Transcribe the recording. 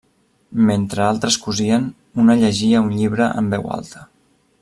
Mentre altres cosien, una llegia un llibre en veu alta.